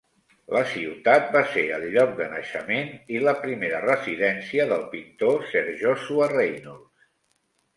La ciutat va ser el lloc de naixement i la primera residència del pintor Sir Joshua Reynolds.